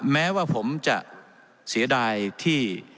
แม้ว่าผมจะเสียดายที่